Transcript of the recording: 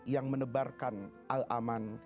yang menebarkan al aman